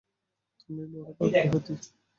তুমি বড়ই ভাগ্যবতী।